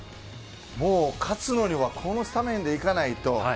もう勝つのにはこのスタメンでいかないと。